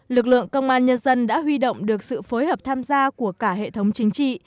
lực lượng công an nhân dân đã huy động được sự phối hợp tham gia của cả hệ thống chính trị